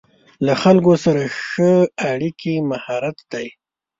له خلکو سره ښه اړیکې مهارت دی.